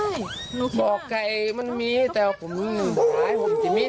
มีหลักฐานทุกอย่างไม่ว่าจะทำอะไร